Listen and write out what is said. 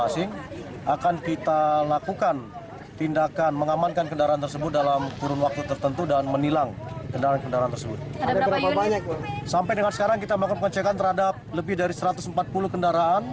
sampai sekarang kita melakukan pengecekan terhadap lebih dari satu ratus empat puluh kendaraan